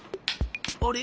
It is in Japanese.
あれ？